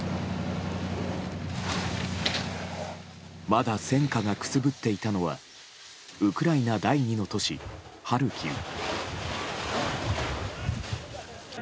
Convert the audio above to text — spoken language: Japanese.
まだ戦火がくすぶっていたのはウクライナ第２の都市ハルキウ。